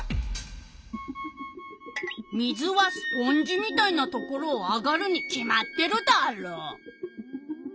水はスポンジみたいなところを上がるに決まってるダーロ？